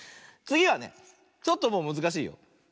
つぎはねちょっともうむずかしいよ。